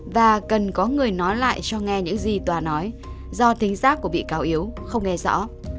và cần có người nói lại cho nghe những gì tòa nói do tính giác của bị cáo yếu không nghe rõ